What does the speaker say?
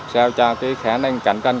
sao cho cái khả năng cạnh tranh